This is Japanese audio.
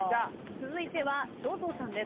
続いては正蔵さんです。